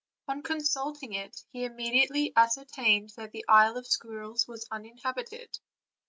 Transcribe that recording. On consulting it, he immediately ascertained that the Isle of Squirrels was uninhabited.